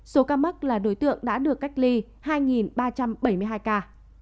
số ca mắc là đối tượng đã được cách ly hai ba trăm bảy mươi hai ca